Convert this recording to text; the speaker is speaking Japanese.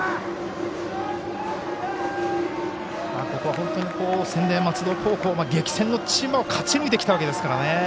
本当に専大松戸高校は激戦の千葉を勝ち抜いてきたわけですからね。